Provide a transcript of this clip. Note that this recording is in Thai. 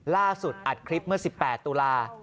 ล่าสุดอัดคลิปเมื่อ๑๘ตุลาคม